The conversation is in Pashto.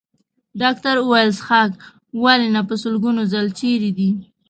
ډاکټر وویل: څښاک؟ ولې نه، په لسګونو ځل، چېرې دی؟